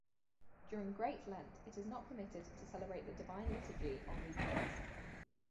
During Great Lent it is not permitted to celebrate the Divine Liturgy on weekdays.